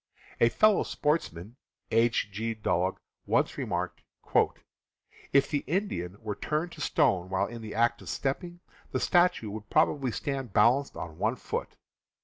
A fellow sportsman, H. G. Dulog, once remarked: "If the Indian were turned to stone while in the act of stepping, the statue would probably stand balanced on one foot.